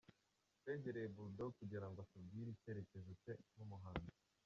Twegereye Bulldogg kugira ngo atubwire icyerekezo cye nk’umuhanzi.